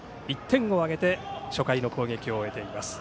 １点を挙げて初回の攻撃を終えています。